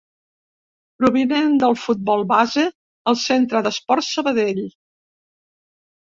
Provinent del futbol base al Centre d'Esports Sabadell.